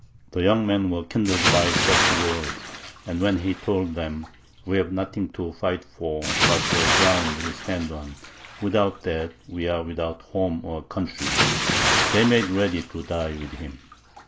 The young men were kindled by such words, and when he told them, "We have nothing to fight for but the ground we stand on; without that we are without home or country," they made ready to die with him.